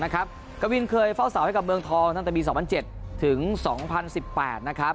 กะวินเคยเฝ้าเสาให้กับเมืองทองตั้งแต่มี๒๐๐๗๒๐๑๘